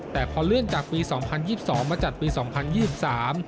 แต่พอเลื่อนจากปีสองพันยี่สิบสองมาจัดปีสองพันยี่สิบสาม